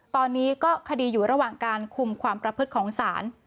ตอนนี้ก็คดีอยู่ระหว่างการคุมความประพฤติของศาล